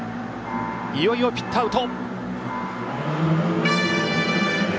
いよいよピットアウト！